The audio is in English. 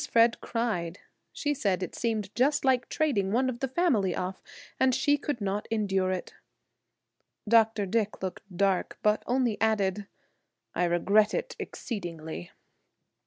Fred cried. She said it seemed just like trading one of the family off, and she could not endure it. Dr. Dick looked dark, but only added, "I regret it exceedingly."